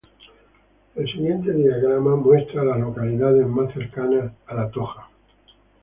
El siguiente diagrama muestra a las localidades más próximas a Yorktown.